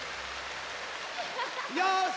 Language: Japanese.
よし！